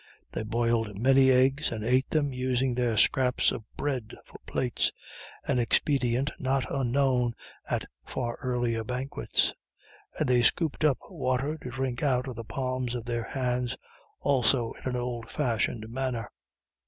They boiled many eggs and ate them, using their scraps of bread for plates an expedient not unknown at far earlier banquets and they scooped up water to drink out of the palms of their hands also in an old fashioned manner.